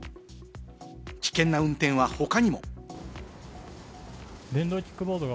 危険な運転は他にも。